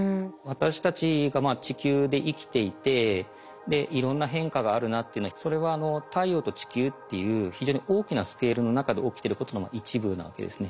私たちが地球で生きていていろんな変化があるなっていうのはそれは太陽と地球っていう非常に大きなスケールの中で起きてることの一部なわけですね。